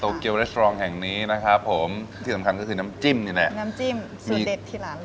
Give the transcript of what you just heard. โตเกียวแรสตรองแห่งนี้นะครับผมที่สำคัญก็คือน้ำจิ้มนี่แหละน้ำจิ้มสูดเด็ดที่ร้านเลย